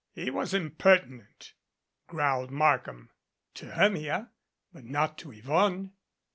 "He was impertinent," growled Markham. "To Hermia but not to Yvonne."